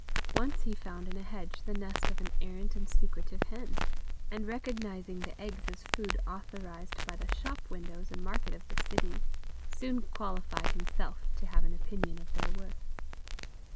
Once he found in a hedge the nest of an errant and secretive hen, and recognizing the eggs as food authorized by the shop windows and market of the city, soon qualified himself to have an opinion of their worth.